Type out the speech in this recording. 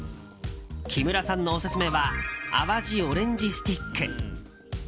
キムラさんのオススメはあわじオレンジスティック。